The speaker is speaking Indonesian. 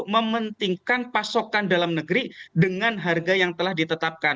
mementingkan pasokan dalam negeri dengan harga yang telah ditetapkan